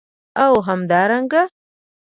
او همدارنګه